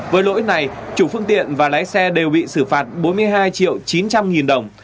với lỗi này chủ phương tiện và lái xe đều bị xử phạt bốn mươi hai triệu chín trăm linh nghìn đồng